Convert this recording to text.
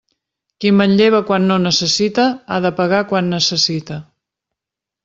Qui manlleva quan no necessita, ha de pagar quan necessita.